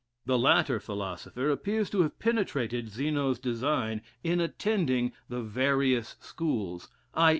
The latter philosopher appears to have penetrated Zeno's design in attending the various schools _i.